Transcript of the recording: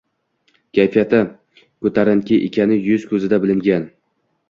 Kayfiyati koʻtarinki ekani yuz-koʻzida bilingan.